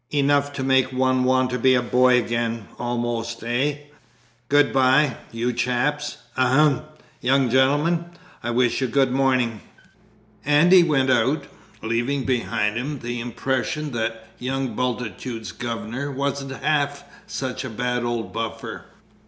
Enough to make one want to be a boy again almost, eh? Good bye, you chaps ahem, young gentlemen, I wish you good morning!" And he went out, leaving behind him the impression that "young Bultitude's governor wasn't half such a bad old buffer."